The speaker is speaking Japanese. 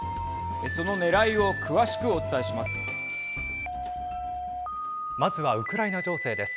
そのねらいを詳しくお伝えします。